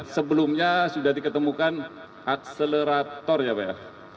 sebelumnya sudah diketemukan akselerator ya pak ya